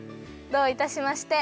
どういたしまして！